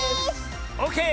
オーケー！